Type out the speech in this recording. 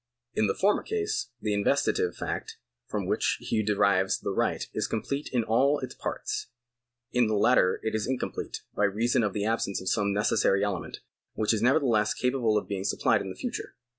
In the former case the investitive fact from which he derives the right is complete in all its parts ; in the latter it is incomplete, by reason of the absence of some necessary element, which is nevertheless capable of being supplied in the future.